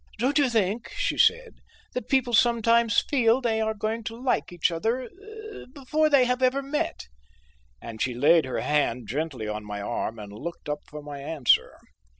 "Don't you think," she said, "that people sometimes feel they are going to like each other before they have ever met?" and she laid her hand gently on my arm and looked up for my answer.